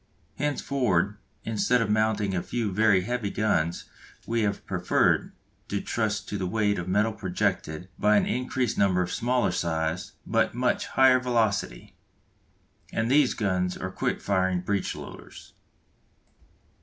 Henceforward instead of mounting a few very heavy guns we have preferred to trust to the weight of metal projected by an increased number of smaller size, but much higher velocity. And these guns are the quick firing breech loaders.